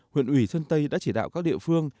huyện ủy sơn tây đã chỉ đạo các địa phương